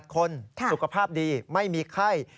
คนสุขภาพดีไม่มีไข้